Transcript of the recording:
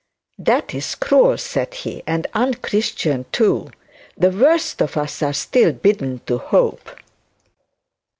'That is cruel,' said he, 'and unchristian too. The worst of us are all still bidden to hope.